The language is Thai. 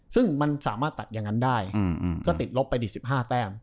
ซึ่งมันสามารถตัดอย่างนั้นได้ก็ติดลบไปดิ๑๕แต้ม